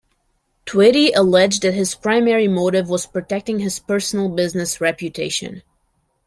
Twitty alleged that his primary motive was protecting his personal business reputation.